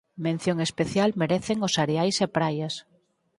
Mención especial merecen os areais e praias.